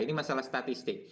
ini masalah statistik